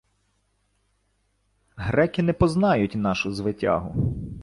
— Греки не познають нашу звитягу.